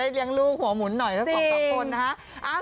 เลี้ยงลูกหัวหมุนหน่อยทั้งสองคนนะฮะ